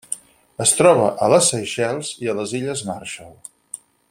Es troba a les Seychelles i les illes Marshall.